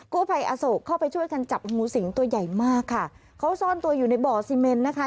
กู้ภัยอโศกเข้าไปช่วยกันจับงูสิงตัวใหญ่มากค่ะเขาซ่อนตัวอยู่ในบ่อซีเมนนะคะ